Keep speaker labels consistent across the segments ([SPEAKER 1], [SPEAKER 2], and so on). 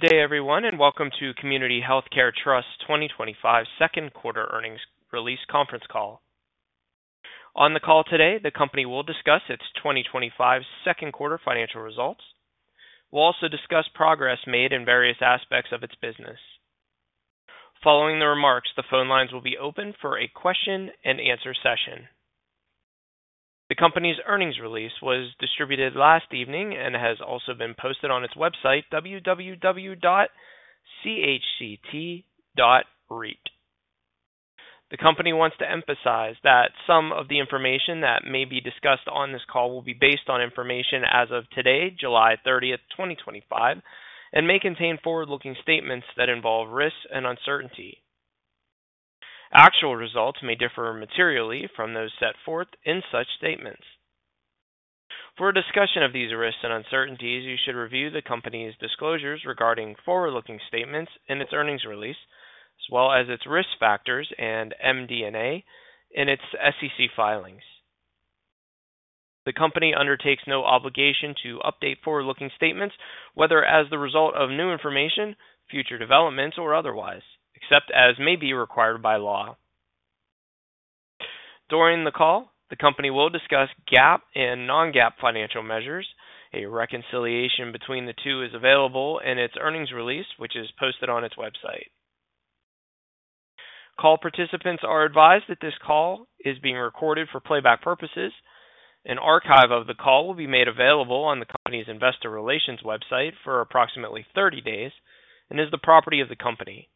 [SPEAKER 1] Good day, everyone, and welcome to Community Healthcare Trust 2025 second quarter earnings release conference call. On the call today, the company will discuss its 2025 second quarter financial results. We'll also discuss progress made in various aspects of its business. Following the remarks, the phone lines will be open for a question and answer session. The company's earnings release was distributed last evening and has also been posted on its website, www.chct.reit. The company wants to emphasize that some of the information that may be discussed on this call will be based on information as of today, July 30th, 2025, and may contain forward-looking statements that involve risks and uncertainty. Actual results may differ materially from those set forth in such statements. For a discussion of these risks and uncertainties, you should review the company's disclosures regarding forward-looking statements in its earnings release, as well as its risk factors and MD&A in its SEC filings. The company undertakes no obligation to update forward-looking statements, whether as the result of new information, future developments, or otherwise, except as may be required by law. During the call, the company will discuss GAAP and non-GAAP financial measures. A reconciliation between the two is available in its earnings release, which is posted on its website. Call participants are advised that this call is being recorded for playback purposes. An archive of the call will be made available on the company's investor relations website for approximately 30 days and is the property of the company.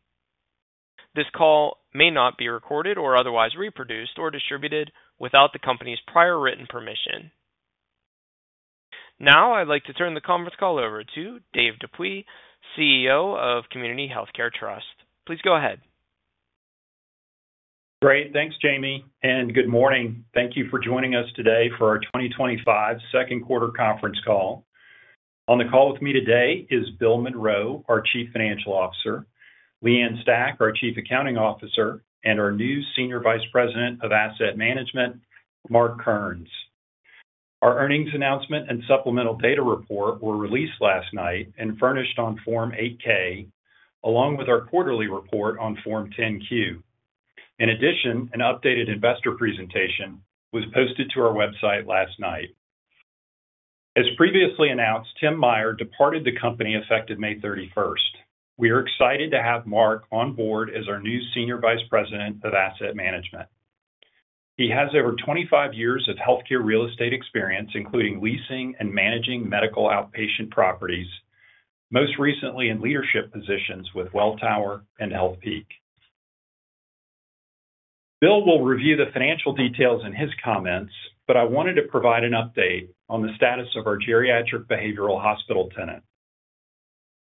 [SPEAKER 1] This call may not be recorded or otherwise reproduced or distributed without the company's prior written permission. Now I'd like to turn the conference call over to Dave Dupuy, CEO of Community Healthcare Trust. Please go ahead.
[SPEAKER 2] Great, thanks Jamie, and good morning. Thank you for joining us today for our 2025 second quarter conference call. On the call with me today is Bill Monroe, our Chief Financial Officer, Leigh Ann Stach, our Chief Accounting Officer, and our new Senior Vice President of Asset Management, Mark Kearns. Our earnings announcement and supplemental data report were released last night and furnished on Form 8-K, along with our quarterly report on Form 10-Q. In addition, an updated investor presentation was posted to our website last night. As previously announced, Tim Meyer departed the company effective May 31st. We are excited to have Mark on board as our new Senior Vice President of Asset Management. He has over 25 years of healthcare real estate experience, including leasing and managing medical outpatient properties, most recently in leadership positions with Welltower and Healthpeak. Bill will review the financial details in his comments, but I wanted to provide an update on the status of our geriatric behavioral hospital tenant.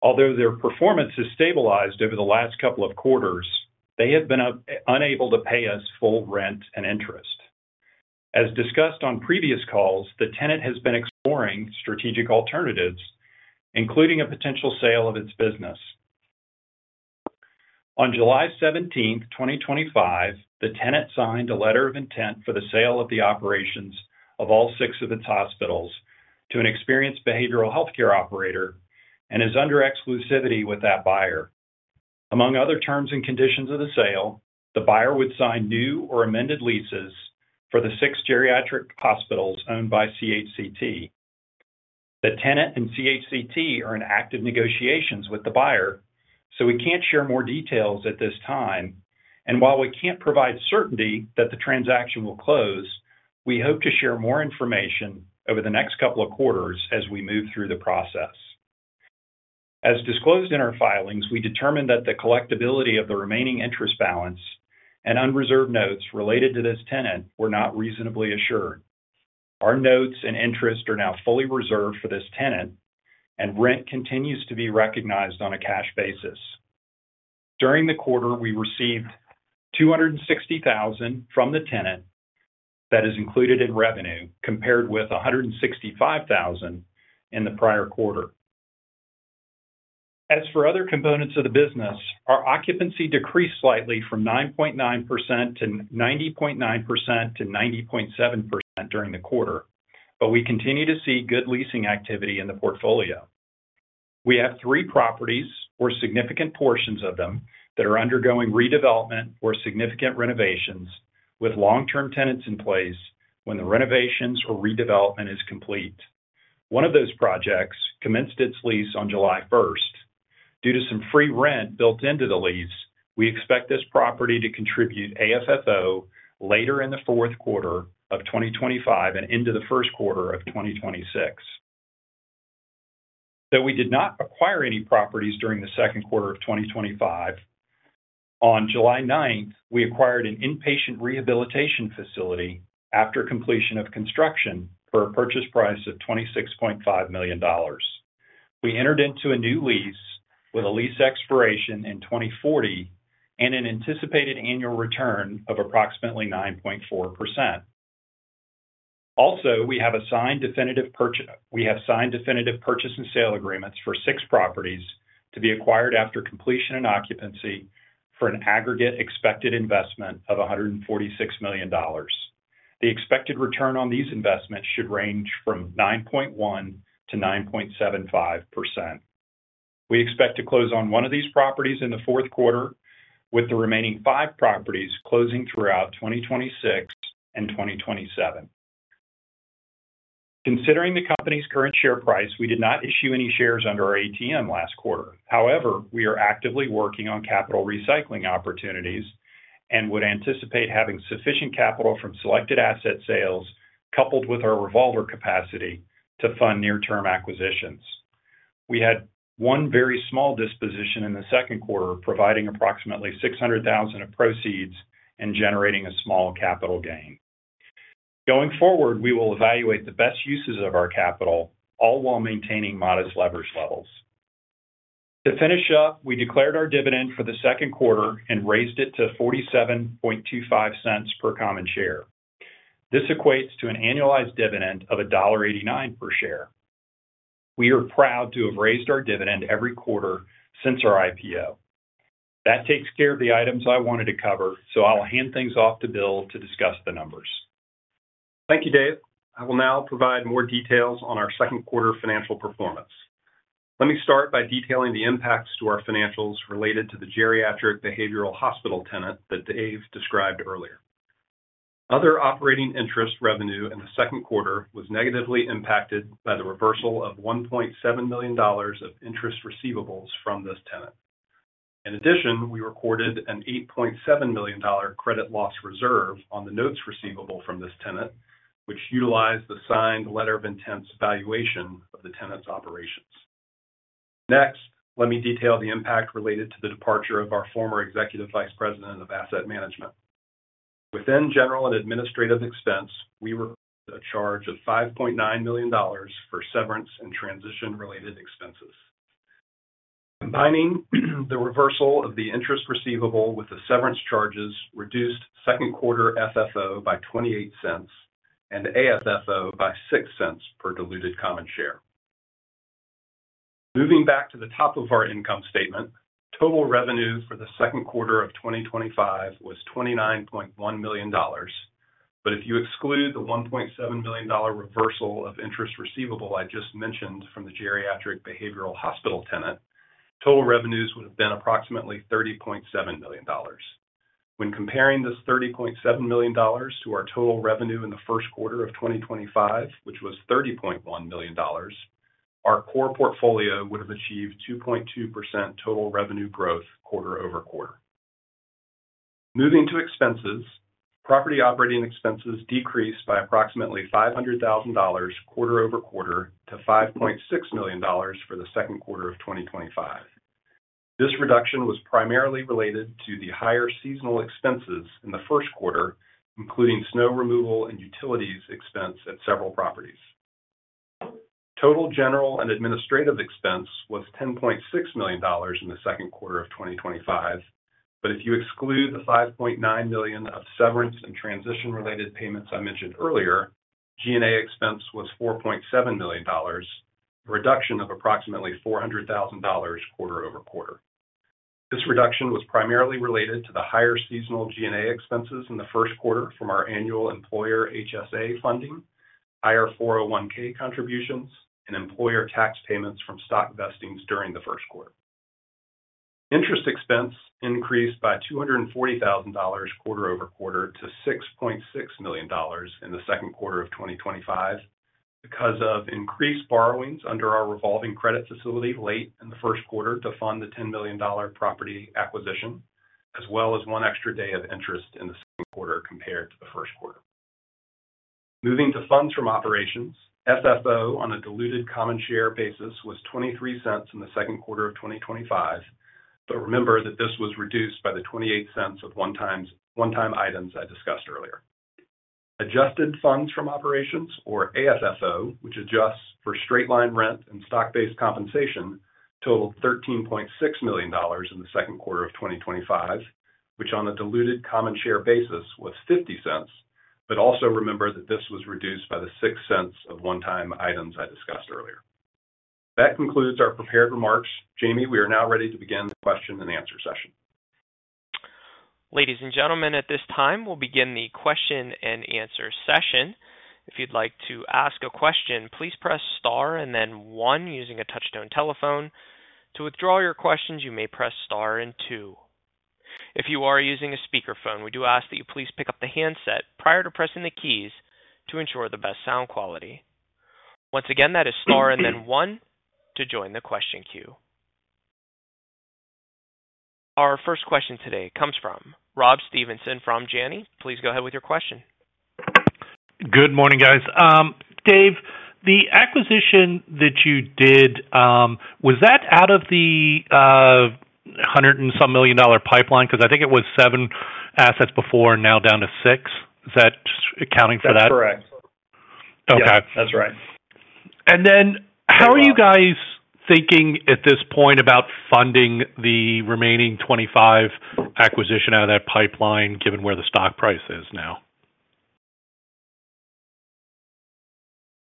[SPEAKER 2] Although their performance has stabilized over the last couple of quarters, they have been unable to pay us full rent and interest. As discussed on previous calls, the tenant has been exploring strategic alternatives, including a potential sale of its business. On July 17, 2025, the tenant signed a letter of intent for the sale of the operations of all six of its hospitals to an experienced behavioral healthcare operator and is under exclusivity with that buyer. Among other terms and conditions of the sale, the buyer would sign new or amended leases for the six geriatric hospitals owned by CHCT. The tenant and CHCT are in active negotiations with the buyer, so we can't share more details at this time. While we can't provide certainty that the transaction will close, we hope to share more information over the next couple of quarters as we move through the process. As disclosed in our filings, we determined that the collectibility of the remaining interest balance and unreserved notes related to this tenant were not reasonably assured. Our notes and interest are now fully reserved for this tenant, and rent continues to be recognized on a cash basis. During the quarter, we received $260,000 from the tenant that is included in revenue, compared with $165,000 in the prior quarter. As for other components of the business, our occupancy decreased slightly from 90.9%-90.7% during the quarter, but we continue to see good leasing activity in the portfolio. We have three properties, or significant portions of them, that are undergoing redevelopment or significant renovations, with long-term tenants in place when the renovations or redevelopment is complete. One of those projects commenced its lease on July 1st. Due to some free rent built into the lease, we expect this property to contribute AFFO later in the fourth quarter of 2025 and into the first quarter of 2026. Though we did not acquire any properties during the second quarter of 2025, on July 9th, we acquired an inpatient rehabilitation facility after completion of construction for a purchase price of $26.5 million. We entered into a new lease with a lease expiration in 2040 and an anticipated annual return of approximately 9.4%. Also, we have signed definitive purchase and sale agreements for six properties to be acquired after completion and occupancy for an aggregate expected investment of $146 million. The expected return on these investments should range from 9.1%-9.75%. We expect to close on one of these properties in the fourth quarter, with the remaining five properties closing throughout 2026 and 2027. Considering the company's current share price, we did not issue any shares under our ATM last quarter. However, we are actively working capital recycling opportunities and would anticipate having sufficient capital from selected asset sales, coupled with our revolver capacity, to fund near-term acquisitions. We had one very small disposition in the second quarter, providing approximately $600,000 of proceeds and generating a small capital gain. Going forward, we will evaluate the best uses of our capital, all while maintaining modest leverage levels. To finish up, we declared our dividend for the second quarter and raised it to $0.4725 per common share. This equates to an annualized dividend of $1.89 per share. We are proud to have raised our dividend every quarter since our IPO. That takes care of the items I wanted to cover, so I'll hand things off to Bill to discuss the numbers.
[SPEAKER 3] Thank you, Dave. I will now provide more details on our second quarter financial performance. Let me start by detailing the impacts to our financials related to the geriatric psychiatric hospital tenant that Dave described earlier. Other operating interest revenue in the second quarter was negatively impacted by the reversal of $1.7 million of interest receivable from this tenant. In addition, we recorded an $8.7 million credit loss reserve on the notes receivable from this tenant, which utilized the signed letter of intent's valuation of the tenant's operations. Next, let me detail the impact related to the departure of our former Executive Vice President of Asset Management. Within general and administrative expense, we received a charge of $5.9 million for severance and transition-related expenses. Combining the reversal of the interest receivable with the severance charges reduced second quarter FFO by $0.28 and AFFO by $0.06 per diluted common share. Moving back to the top of our income statement, total revenue for the second quarter of 2025 was $29.1 million, but if you exclude the $1.7 million reversal of interest receivable I just mentioned from the geriatric psychiatric hospital tenant, total revenues would have been approximately $30.7 million. When comparing this $30.7 million to our total revenue in the first quarter of 2025, which was $30.1 million, our core portfolio would have achieved 2.2% total revenue growth quarter-over-quarter. Moving to expenses, property operating expenses decreased by approximately $500,000 quarter-over-quarter to $5.6 million for the second quarter of 2025. This reduction was primarily related to the higher seasonal expenses in the first quarter, including snow removal and utilities expense at several properties. Total general and administrative expense was $10.6 million in the second quarter of 2025, but if you exclude the $5.9 million of severance and transition-related payments I mentioned earlier, G&A expense was $4.7 million, a reduction of approximately $400,000 quarter-over-quarter. This reduction was primarily related to the higher seasonal G&A expenses in the first quarter from our annual employer HSA funding, IR 401(k) contributions, and employer tax payments from stock vestings during the first quarter. Interest expense increased by $240,000 quarter-over-quarter to $6.6 million in the second quarter of 2025 because of increased borrowings under our revolving credit facility late in the first quarter to fund the $10 million property acquisition, as well as one extra day of interest in the second quarter compared to the first quarter. Moving to funds from operations, FFO on a diluted common share basis was $0.23 in the second quarter of 2025, but remember that this was reduced by the $0.28 of one-time items I discussed earlier. Adjusted funds from operations, or AFFO, which adjusts for straight line rent and stock-based compensation, totaled $13.6 million in the second quarter of 2025, which on a diluted common share basis was $0.50, but also remember that this was reduced by the $0.06 of one-time items I discussed earlier. That concludes our prepared remarks. Jamie, we are now ready to begin the question and answer session.
[SPEAKER 1] Ladies and gentlemen, at this time, we'll begin the question and answer session. If you'd like to ask a question, please press star and then one using a touch-tone telephone. To withdraw your questions, you may press star and two. If you are using a speakerphone, we do ask that you please pick up the handset prior to pressing the keys to ensure the best sound quality. Once again, that is star and then one to join the question queue. Our first question today comes from Rob Stevenson from Janney. Please go ahead with your question.
[SPEAKER 4] Good morning, guys. Dave, the acquisition that you did, was that out of the $100 million and some dollar pipeline? I think it was seven assets before and now down to six. Is that accounting for that?
[SPEAKER 2] That's correct.
[SPEAKER 4] Okay.
[SPEAKER 2] That's right.
[SPEAKER 4] Are you guys thinking at this point about funding the remaining 25 acquisitions out of that pipeline given where the stock price is now?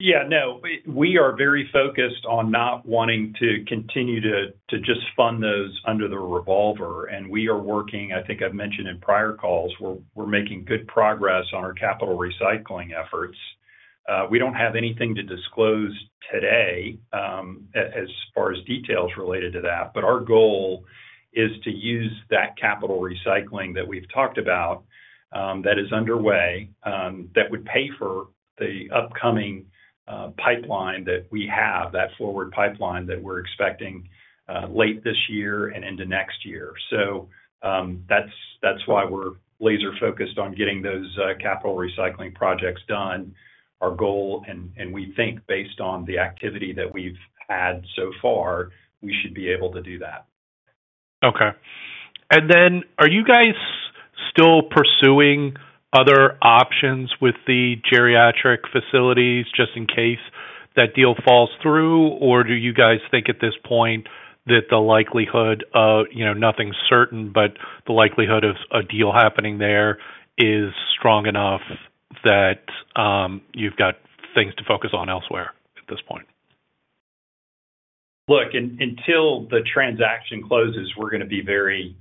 [SPEAKER 2] Yeah, no, we are very focused on not wanting to continue to just fund those under the revolver, and we are working, I think I've mentioned in prior calls, we're making good progress on capital recycling efforts. We don't have anything to disclose today, as far as details related to that, but our goal is to use capital recycling that we've talked about, that is underway, that would pay for the upcoming pipeline that we have, that forward pipeline that we're expecting, late this year and into next year. That's why we're laser-focused on getting capital recycling projects done. Our goal, and we think based on the activity that we've had so far, we should be able to do that.
[SPEAKER 4] Okay. Are you guys still pursuing other options with the geriatric psychiatric hospital facilities just in case that deal falls through, or do you guys think at this point that the likelihood of, you know, nothing's certain, but the likelihood of a deal happening there is strong enough that you've got things to focus on elsewhere at this point?
[SPEAKER 2] Look, until the transaction closes, we're going to be very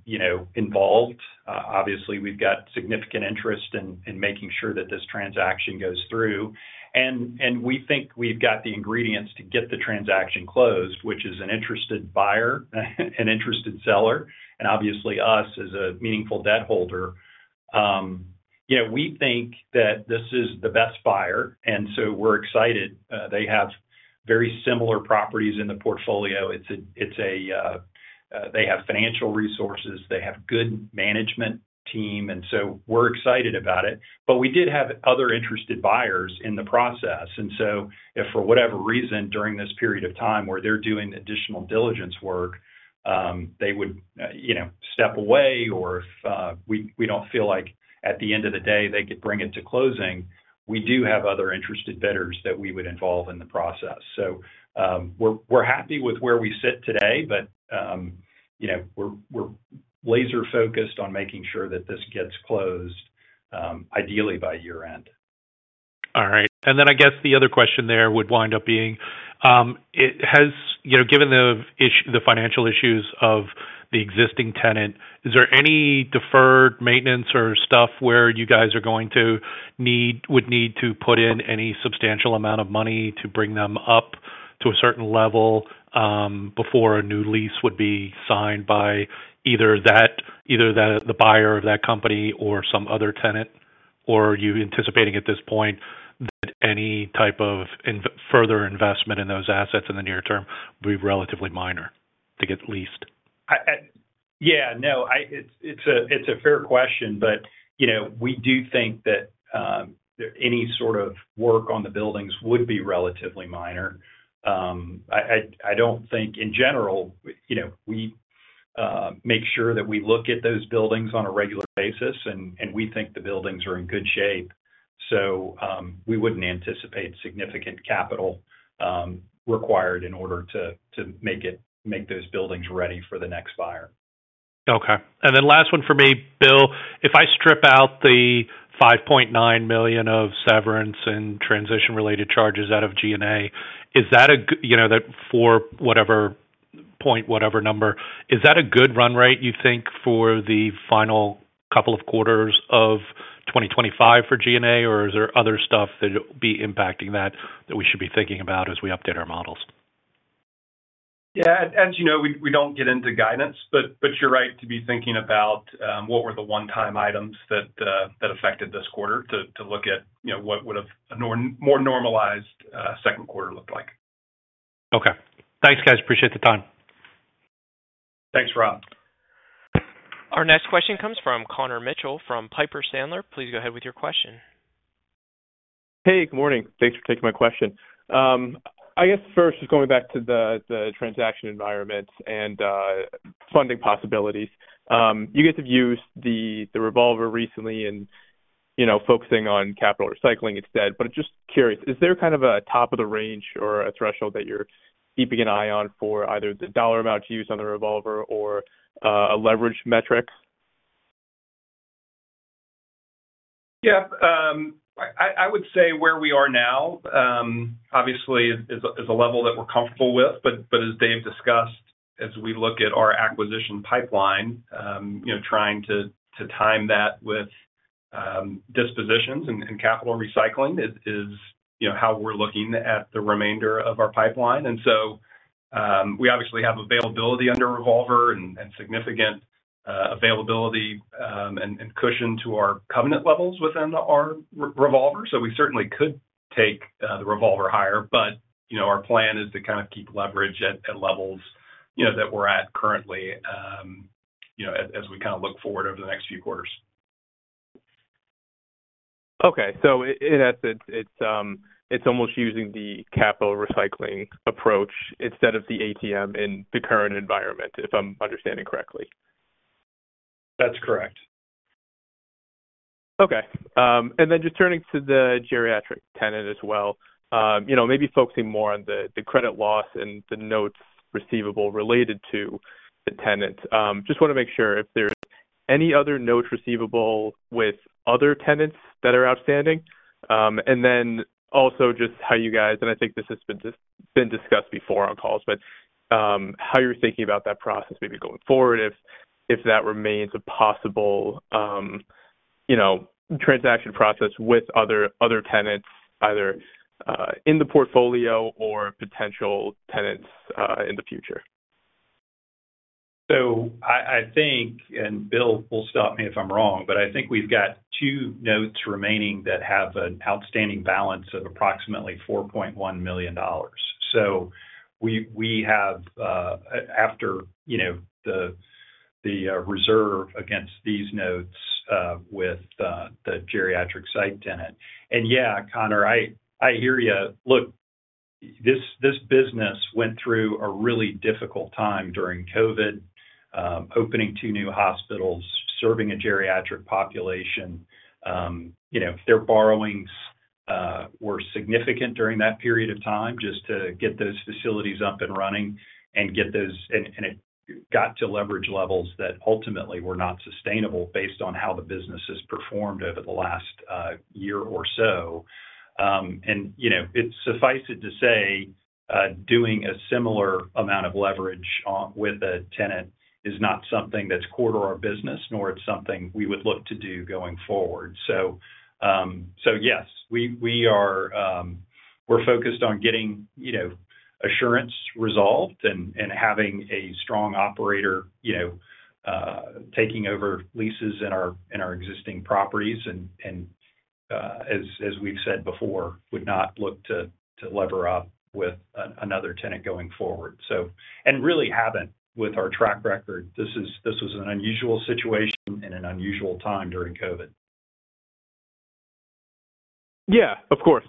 [SPEAKER 2] involved. Obviously, we've got significant interest in making sure that this transaction goes through. We think we've got the ingredients to get the transaction closed, which is an interested buyer, an interested seller, and obviously us as a meaningful debt holder. We think that this is the best buyer, and we're excited. They have very similar properties in the portfolio. They have financial resources, they have a good management team, and we're excited about it. We did have other interested buyers in the process, and if for whatever reason during this period of time where they're doing additional diligence work, they would step away or we don't feel like at the end of the day they could bring it to closing, we do have other interested bidders that we would involve in the process. We're happy with where we sit today, but we're laser-focused on making sure that this gets closed, ideally by year-end.
[SPEAKER 4] All right. I guess the other question there would wind up being, it has, you know, given the issue, the financial issues of the existing tenant, is there any deferred maintenance or stuff where you guys are going to need, would need to put in any substantial amount of money to bring them up to a certain level before a new lease would be signed by either the buyer of that company or some other tenant? Are you anticipating at this point that any type of further investment in those assets in the near term would be relatively minor to get leased?
[SPEAKER 2] Yeah, no, it's a fair question. We do think that any sort of work on the buildings would be relatively minor. I don't think in general, you know, we make sure that we look at those buildings on a regular basis, and we think the buildings are in good shape. We wouldn't anticipate significant capital required in order to make those buildings ready for the next buyer.
[SPEAKER 4] Okay. Last one for me, Bill, if I strip out the $5.9 million of severance and transition-related charges out of G&A, is that a, you know, that for whatever point, whatever number, is that a good run rate, you think, for the final couple of quarters of 2025 for G&A, or is there other stuff that will be impacting that that we should be thinking about as we update our models?
[SPEAKER 3] Yeah, as you know, we don't get into guidance, but you're right to be thinking about what were the one-time items that affected this quarter to look at, you know, what would have a more normalized second quarter look like.
[SPEAKER 4] Okay. Thanks, guys. Appreciate the time.
[SPEAKER 3] Thanks, Rob.
[SPEAKER 1] Our next question comes from Connor Mitchell from Piper Sandler. Please go ahead with your question.
[SPEAKER 5] Hey, good morning. Thanks for taking my question. I guess first, just going back to the transaction environments and funding possibilities, you guys have used the revolver recently and, you know, focusing capital recycling instead. I'm just curious, is there kind of a top of the range or a threshold that you're keeping an eye on for either the dollar amount used on the revolver or a leverage metric?
[SPEAKER 3] Yeah, I would say where we are now, obviously is a level that we're comfortable with, but as Dave discussed, as we look at our acquisition pipeline, you know, trying to time that with dispositions capital recycling is, you know, how we're looking at the remainder of our pipeline. We obviously have availability under revolver and significant availability and cushion to our covenant levels within our revolver. We certainly could take the revolver higher, but our plan is to kind of keep leverage at levels that we're at currently, you know, as we kind of look forward over the next few quarters.
[SPEAKER 5] Okay, so it's almost using capital recycling approach instead of the ATM in the current environment, if I'm understanding correctly.
[SPEAKER 3] That's correct.
[SPEAKER 5] Okay. And then just turning to the geriatric tenant as well, maybe focusing more on the credit loss and the notes receivable related to the tenant. I just want to make sure if there's any other notes receivable with other tenants that are outstanding, and then also just how you guys, and I think this has been discussed before on calls, but how you're thinking about that process maybe going forward if that remains a possible transaction process with other tenants, either in the portfolio or potential tenants in the future.
[SPEAKER 2] I think, and Bill, stop me if I'm wrong, but I think we've got two notes remaining that have an outstanding balance of approximately $4.1 million. We have, after the reserve against these notes, with the geriatric site tenant. Yeah, Connor, I hear you. Look, this business went through a really difficult time during COVID, opening two new hospitals, serving a geriatric population. Their borrowings were significant during that period of time just to get those facilities up and running, and it got to leverage levels that ultimately were not sustainable based on how the business has performed over the last year or so. It's suffice it to say, doing a similar amount of leverage with a tenant is not something that's core to our business, nor is it something we would look to do going forward. Yes, we are focused on getting assurance resolved and having a strong operator taking over leases in our existing properties, and as we've said before, would not look to lever up with another tenant going forward. We really haven't with our track record. This was an unusual situation and an unusual time during COVID.
[SPEAKER 5] Of course.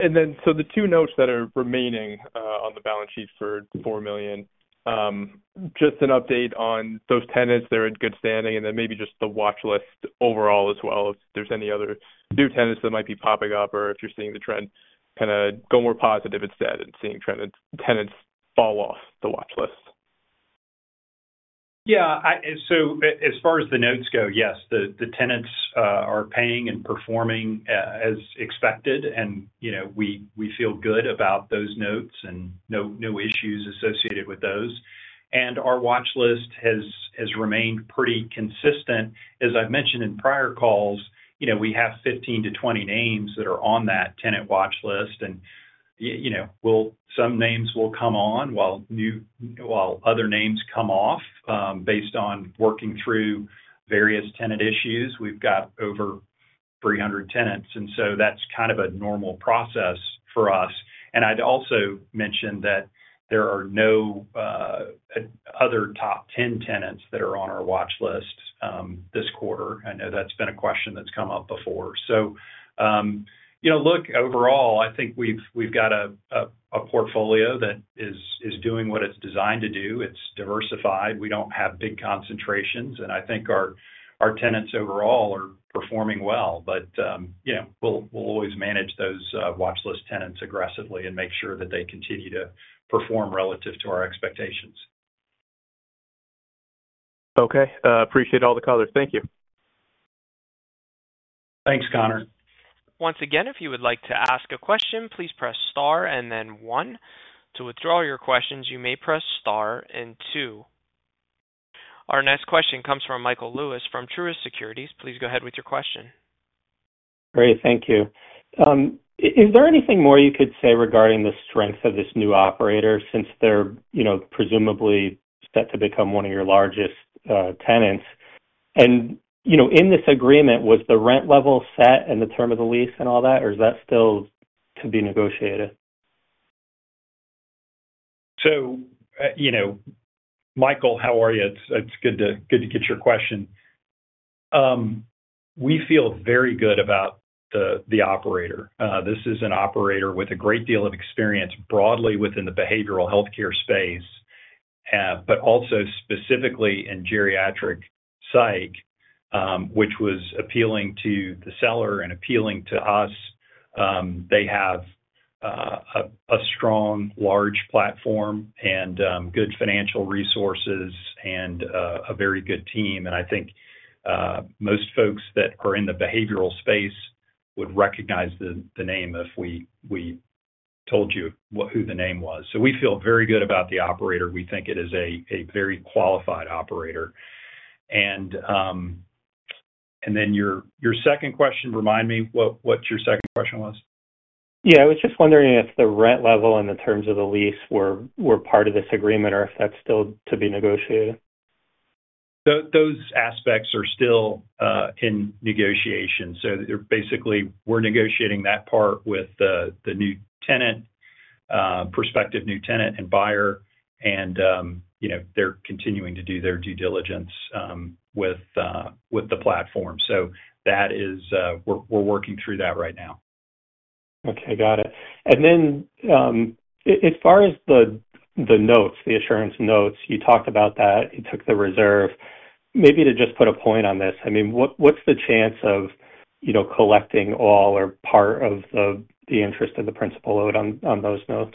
[SPEAKER 5] The two notes that are remaining on the balance sheet for $4 million, just an update on those tenants, they're in good standing, and then maybe just the watchlist overall as well if there's any other new tenants that might be popping up or if you're seeing the trend kind of go more positive instead and seeing tenants fall off the watchlist.
[SPEAKER 3] Yeah, as far as the notes go, yes, the tenants are paying and performing as expected, and we feel good about those notes and no issues associated with those. Our watchlist has remained pretty consistent. As I've mentioned in prior calls, we have 15-20 names that are on that tenant watchlist, and some names will come on while other names come off, based on working through various tenant issues. We've got over 300 tenants, and that's kind of a normal process for us. I'd also mention that there are no other top 10 tenants that are on our watchlist this quarter. I know that's been a question that's come up before. Overall, I think we've got a portfolio that is doing what it's designed to do. It's diversified. We don't have big concentrations, and I think our tenants overall are performing well, but we'll always manage those watchlist tenants aggressively and make sure that they continue to perform relative to our expectations.
[SPEAKER 5] Okay. Appreciate all the color. Thank you.
[SPEAKER 3] Thanks, Connor.
[SPEAKER 1] Once again, if you would like to ask a question, please press star and then one. To withdraw your questions, you may press star and two. Our next question comes from Michael Lewis from Truist Securities. Please go ahead with your question.
[SPEAKER 6] Great, thank you. Is there anything more you could say regarding the strength of this new operator since they're, you know, presumably set to become one of your largest tenants? In this agreement, was the rent level set in the term of the lease and all that, or is that still to be negotiated?
[SPEAKER 2] Michael, how are you? It's good to get your question. We feel very good about the operator. This is an operator with a great deal of experience broadly within the behavioral healthcare space, but also specifically in geriatric psych, which was appealing to the seller and appealing to us. They have a strong, large platform, good financial resources, and a very good team. I think most folks that are in the behavioral space would recognize the name if we told you who the name was. We feel very good about the operator. We think it is a very qualified operator. Your second question, remind me what your second question was.
[SPEAKER 6] I was just wondering if the rent level and the terms of the lease were part of this agreement or if that's still to be negotiated.
[SPEAKER 2] Those aspects are still in negotiation. Basically, we're negotiating that part with the new tenant, prospective new tenant, and buyer, and they're continuing to do their due diligence with the platform. That is, we're working through that right now.
[SPEAKER 6] Okay, got it. As far as the notes, the assurance notes, you talked about that, you took the reserve. Maybe to just put a point on this, what's the chance of, you know, collecting all or part of the interest or the principal load on those notes?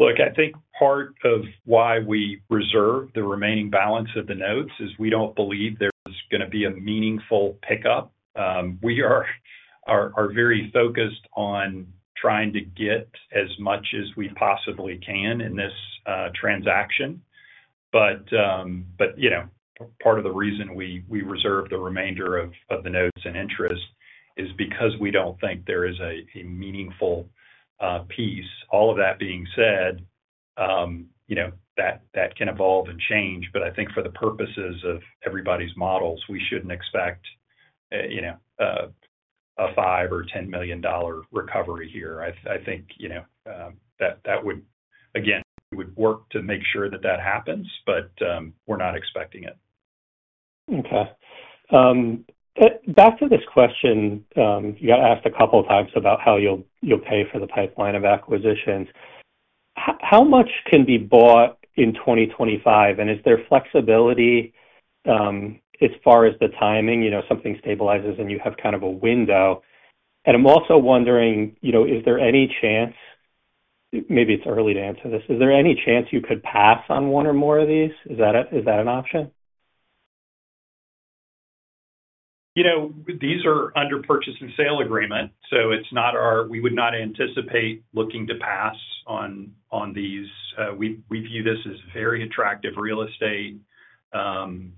[SPEAKER 2] I think part of why we reserve the remaining balance of the notes is we don't believe there's going to be a meaningful pickup. We are very focused on trying to get as much as we possibly can in this transaction. Part of the reason we reserve the remainder of the notes and interest is because we don't think there is a meaningful piece. All of that being said, that can evolve and change, but I think for the purposes of everybody's models, we shouldn't expect a $5 million or $10 million recovery here. I think that would, again, work to make sure that that happens, but we're not expecting it.
[SPEAKER 6] Okay. Back to this question, you got asked a couple of times about how you'll pay for the pipeline of acquisitions. How much can be bought in 2025, and is there flexibility as far as the timing? You know, something stabilizes and you have kind of a window. I'm also wondering, you know, is there any chance, maybe it's early to answer this, is there any chance you could pass on one or more of these? Is that an option?
[SPEAKER 2] These are under purchase and sale agreements, so we would not anticipate looking to pass on these. We view this as very attractive real estate in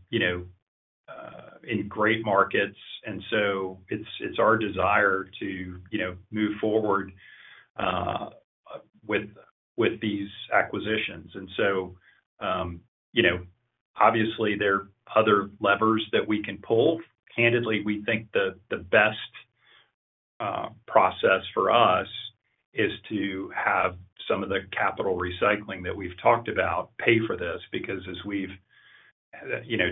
[SPEAKER 2] great markets, and it is our desire to move forward with these acquisitions. Obviously, there are other levers that we can pull. Candidly, we think the best process for us is to have some of capital recycling that we've talked about pay for this because, as we've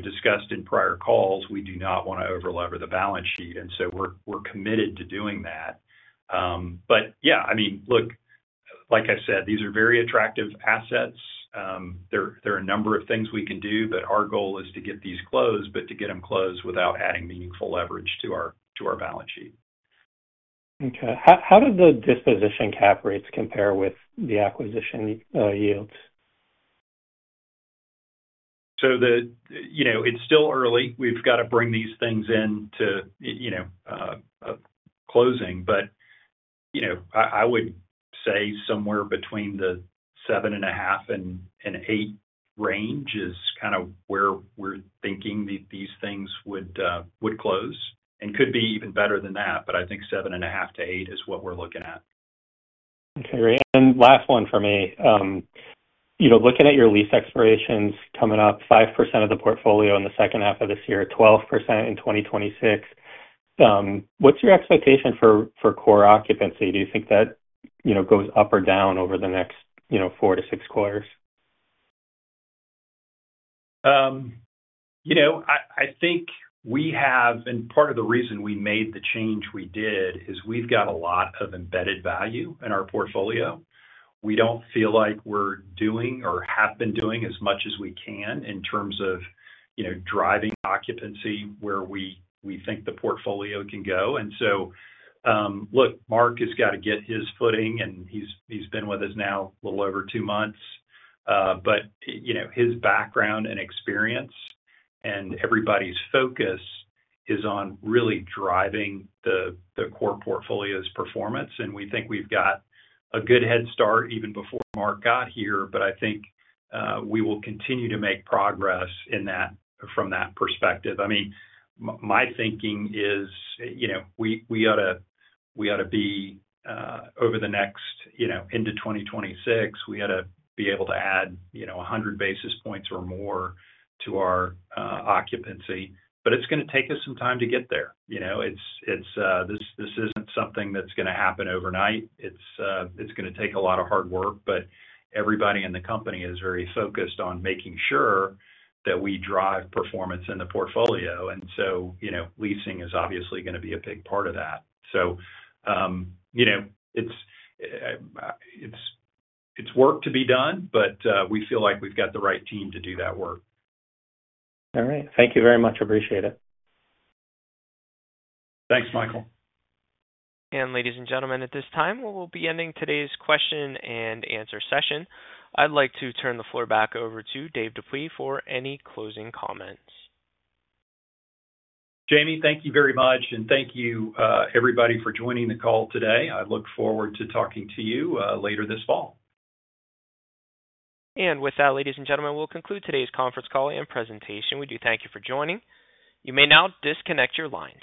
[SPEAKER 2] discussed in prior calls, we do not want to overlever the balance sheet, and we are committed to doing that. These are very attractive assets. There are a number of things we can do. Our goal is to get these closed, but to get them closed without adding meaningful leverage to our balance sheet.
[SPEAKER 6] Okay. How did the disposition cap rates compare with the acquisition yields?
[SPEAKER 2] It's still early. We've got to bring these things in to closing, but I would say somewhere between the 7.5 and 8 range is kind of where we're thinking that these things would close and could be even better than that. I think 7.5-8 is what we're looking at.
[SPEAKER 6] Okay, great. Last one for me, looking at your lease expirations coming up, 5% of the portfolio in the second half of this year, 12% in 2026, what's your expectation for core occupancy? Do you think that goes up or down over the next four to six quarters?
[SPEAKER 2] I think we have, and part of the reason we made the change we did is we've got a lot of embedded value in our portfolio. We don't feel like we're doing or have been doing as much as we can in terms of driving occupancy where we think the portfolio can go. Mark has got to get his footing, and he's been with us now a little over two months, but his background and experience and everybody's focus is on really driving the core portfolio's performance, and we think we've got a good head start even before Mark got here. I think we will continue to make progress from that perspective. My thinking is we ought to be, over the next, into 2026, we ought to be able to add 100 basis points or more to our occupancy, but it's going to take us some time to get there. This isn't something that's going to happen overnight. It's going to take a lot of hard work, but everybody in the company is very focused on making sure that we drive performance in the portfolio, and leasing is obviously going to be a big part of that. It's work to be done, but we feel like we've got the right team to do that work.
[SPEAKER 6] All right. Thank you very much. I appreciate it.
[SPEAKER 2] Thanks, Michael.
[SPEAKER 1] Ladies and gentlemen, at this time, we'll be ending today's question and answer session. I'd like to turn the floor back over to Dave Dupuy for any closing comments.
[SPEAKER 2] Jamie, thank you very much, and thank you, everybody, for joining the call today. I look forward to talking to you later this fall.
[SPEAKER 1] With that, ladies and gentlemen, we'll conclude today's conference call and presentation. We do thank you for joining. You may now disconnect your lines.